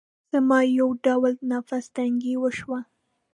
زما يو ډول نفس تنګي وشوه.